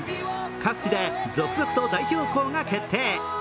各地で続々と代表校が決定。